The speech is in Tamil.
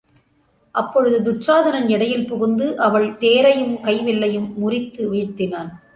அப்பொழுது துச்சாதனன் இடையில் புகுந்து அவள் தேரையும் கை வில்லையும் முறித்து வீழ்த்தினான்.